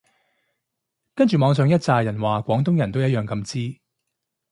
跟住網上一柞人話廣東人都一樣咁支